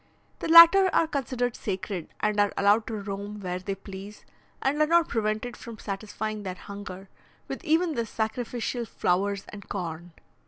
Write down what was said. The latter are considered sacred, and are allowed to roam where they please, and are not prevented from satisfying their hunger with even the sacrificial flowers and corn.